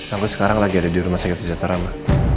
aku sekarang lagi ada di rumah sakit sejahtera ma